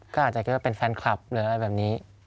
ก็อาจจะคิดว่าเป็นแฟนคลับหรืออะไรแบบนี้